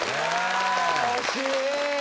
惜しい。